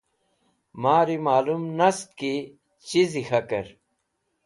Mari malum nast ki chizi k̃hakẽr.